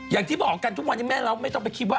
อย่างที่บอกกันทุกวันนี้แม่เราไม่ต้องไปคิดว่า